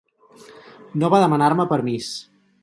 No va demanar-me permís.